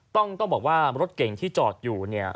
ต้องบอกว่ารถเก่งที่จอดอยู่เนี่ย